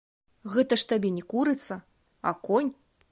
Гэта ж табе не курыца, а конь.